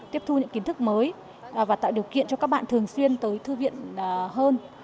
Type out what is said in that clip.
tiếp thu những kiến thức mới và tạo điều kiện cho các bạn thường xuyên tới thư viện hơn